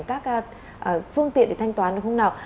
các phương tiện để thanh toán không nào